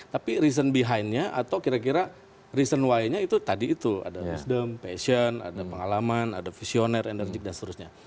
tapi reason behind nya atau kira kira reasony nya itu tadi itu ada wisdom passion ada pengalaman ada visioner enerjik dan seterusnya